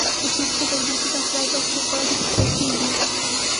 د توکو په تولید کې د افرادو او توکو اړیکې جوتېږي